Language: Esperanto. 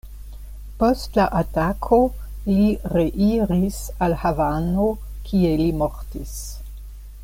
Post la atako, li reiris al Havano, kie li mortis.